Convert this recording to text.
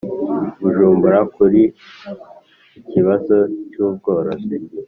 Bujumbura Kuri Ikibazo Cy Ubworozi